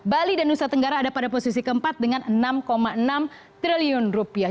bali dan nusa tenggara ada pada posisi keempat dengan enam enam triliun rupiah